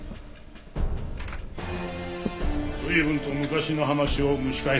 随分と昔の話を蒸し返すもんだな。